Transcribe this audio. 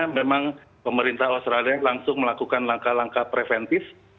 memang pemerintah australia langsung melakukan langkah langkah preventif